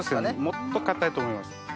もっと硬いと思います。